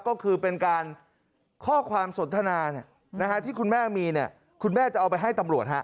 ก็คือเป็นการข้อความสนทนาที่คุณแม่มีเนี่ยคุณแม่จะเอาไปให้ตำรวจฮะ